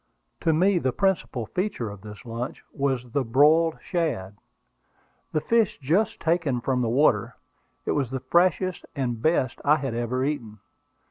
To me the principal feature of this lunch was the broiled shad, the fish just taken from the water. It was the freshest and best I had ever eaten.